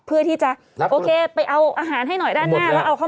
เพื่อที่จะโอเคไปเอาอาหารให้หน่อยด้านหน้าแล้วเอาเข้า